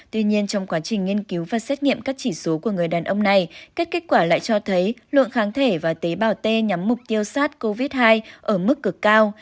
tuy nhiên trong quá trình nghiên cứu và xét nghiệm các chỉ số của người đàn ông này các kết quả lại cho thấy lượng kháng thể và tế bào t nhắm mục tiêu sars cov hai ở mức cực cao